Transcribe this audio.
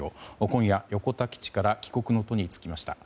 今夜、横田基地から帰国の途に就きました。